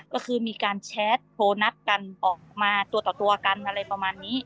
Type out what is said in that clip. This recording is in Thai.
ก็คือมีการแชทโทรนัดกันออกมาตัวต่อตัวกันอะไรประมาณนี้